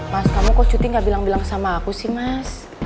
pas kamu kok cuti gak bilang bilang sama aku sih mas